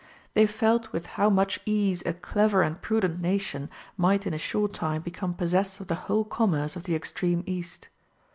They felt with how much ease a clever and prudent nation might in a short time become possessed of the whole commerce of the extreme East.